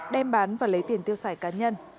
đem bán và lấy tiền tiêu xài cá nhân